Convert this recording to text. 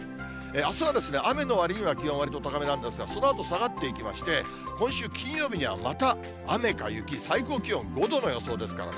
あすはですね、雨のわりには気温わりと高めなんですが、そのあと下がっていきまして、今週金曜日には、また雨か雪、最高気温５度の予想ですからね。